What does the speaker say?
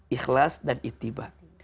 ikhlas dan ittiba